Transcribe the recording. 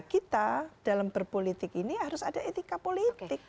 kita dalam berpolitik ini harus ada etika politik